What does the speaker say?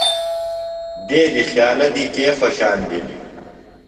دیدیۡ خیالہ دی کے خوشان بِھلیۡ؟